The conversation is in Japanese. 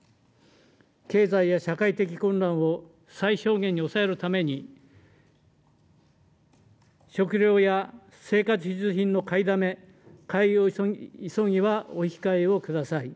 経済や社会的混乱を最小限に抑えるために食料や生活必需品の買いだめ、買い急ぎはお控えください。